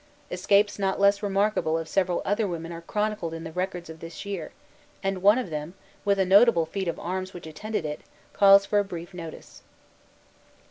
Escapes not less remarkable of several other women are chronicled in the records of this year; and one of them, with a notable feat of arms which attended it, calls for a brief notice.